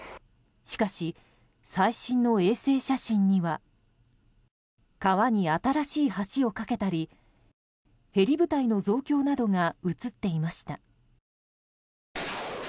しかし、最新の衛星写真には川に新しい橋を架けたりヘリ部隊の増強などが写っていました。